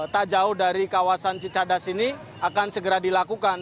tak jauh dari kawasan cicadas ini akan segera dilakukan